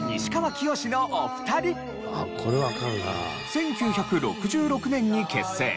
１９６６年に結成。